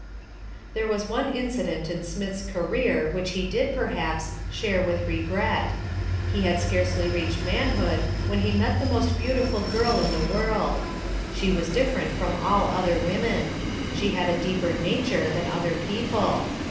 There was one incident in Smith's career which he did, perhaps, share with regret. He had scarcely reached manhood when he met the most beautiful girl in the world. She was different from all other women. She had a deeper nature than other people.